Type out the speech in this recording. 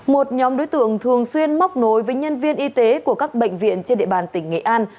một nhóm đối tượng thường xuyên móc nối với nhân viên y tế của các bệnh viện trên địa bàn tỉnh nghệ an